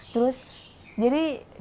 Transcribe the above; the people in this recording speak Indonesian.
jadi di sini